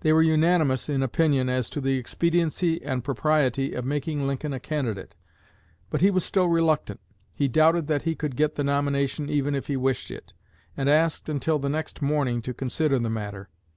They were unanimous in opinion as to the expediency and propriety of making Lincoln a candidate. But he was still reluctant; he doubted that he could get the nomination even if he wished it, and asked until the next morning to consider the matter.